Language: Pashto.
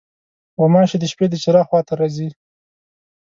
غوماشې د شپې د چراغ خوا ته راځي.